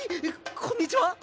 こんにちは。